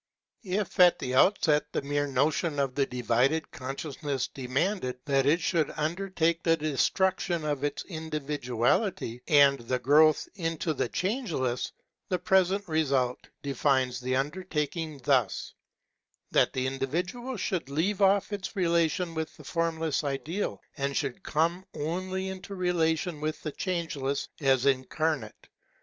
If at the outset the mere notion of the divided consciousness demanded that it should undertake the destruction of its in dividuality, and the growth into the Changeless, the present PHENOMENOLOGY OF THE SPIRIT 619 result defines the undertaking thus : That the individual should leave off its relation with the formless ideal, and should come only into relations with the Changeless as incarnate.